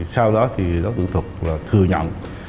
sau đó đấu tượng thuật là thừa nhận